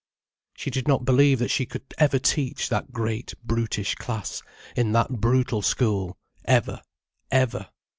She did not believe that she could ever teach that great, brutish class, in that brutal school: ever, ever.